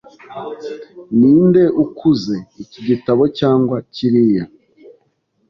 Ninde ukuze, iki gitabo cyangwa kiriya?